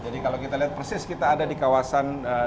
jadi kalau kita lihat kita ada di kawasan depo lebak bulus